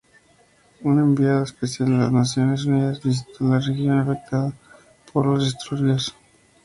Un enviado especial de las Naciones Unidas visitó la región afectada por los disturbios.